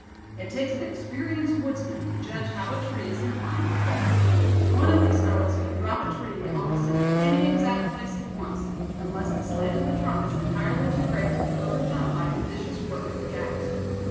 It takes an experienced woodsman to judge how a tree is inclined to fall. One of these fellows can drop a tree almost in any exact place he wants, unless the slant of the trunk is entirely too great to be overcome by judicious work with the axe.